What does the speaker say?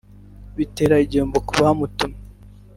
bitera igihombo ku bamutumiye